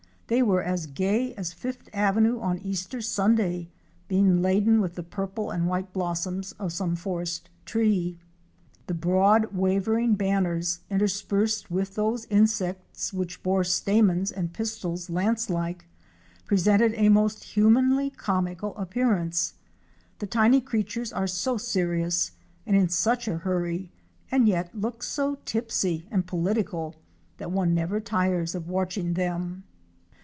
They were as gay as Fifth Avenue on Easter Sunday, being laden with the purple and white blos soms of some forest tree. The broad wavering banners interspersed with those insects which bore stamens and pistils lance like, presented a most humanly comical appear ance. The tiny creatures are so serious and in such a hurry and yet look so tipsy and political, that one never tires of watching them.